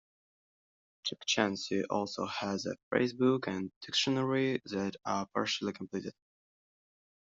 Chukchansi also has a phrase book and dictionary that are partially completed.